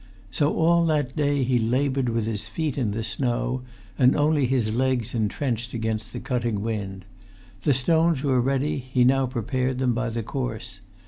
So all that day he laboured with his feet in the snow, and only his legs entrenched against the cutting wind. The stones were ready; he now prepared them by the course.